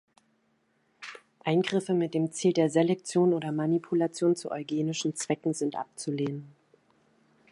Eingriffe mit dem Ziel der Selektion oder Manipulation zu eugenischen Zwecken sind abzulehnen.